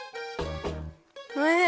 おいしい！